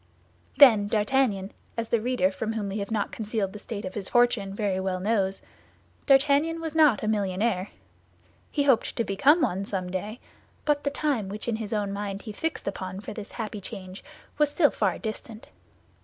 Then D'Artagnan, as the reader, from whom we have not concealed the state of his fortune, very well knows—D'Artagnan was not a millionaire; he hoped to become one someday, but the time which in his own mind he fixed upon for this happy change was still far distant.